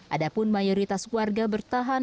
ada pun mayoritas warga bertahan